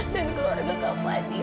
dan keluarga kak fadil